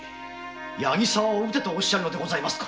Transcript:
八木沢を討てとおっしゃるのですか！？